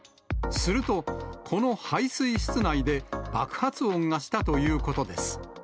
すると、この排水室内で爆発音がしたということです。